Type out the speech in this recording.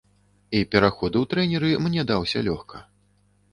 І пераход у трэнеры мне даўся лёгка.